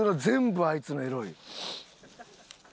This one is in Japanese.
全部あいつのエロい。